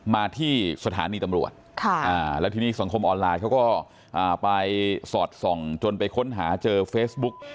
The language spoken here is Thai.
มาที่สถานีตำรวจแล้วทีนี้สังคมออนไลน์เขาก็ไปสอดส่องจนไปค้นหาเจอเฟซบุ๊ก